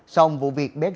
sau vụ việc bếp dịch